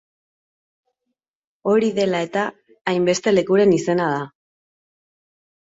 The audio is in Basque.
Hori dela eta, hainbeste lekuren izena da.